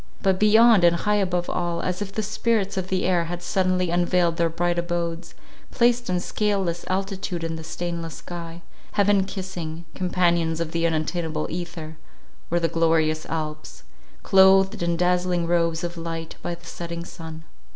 But beyond, and high above all, as if the spirits of the air had suddenly unveiled their bright abodes, placed in scaleless altitude in the stainless sky, heaven kissing, companions of the unattainable ether, were the glorious Alps, clothed in dazzling robes of light by the setting sun.